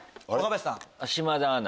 島田アナ。